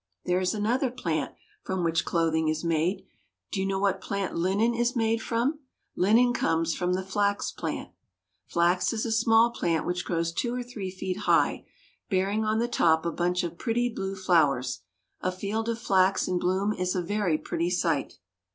There is another plant from which clothing is made. Do you know what plant linen is made from? Linen comes from the flax plant. Flax is a small plant which grows two or three feet high, bearing on the top a bunch of pretty blue flowers. A field of flax in bloom is a very pretty sight.